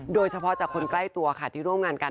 โดยเฉพาะจากคนใกล้ตัวค่ะที่ร่วมงานกัน